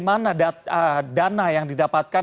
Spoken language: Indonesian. mana dana yang didapatkan